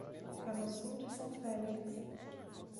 Camocim de São Félix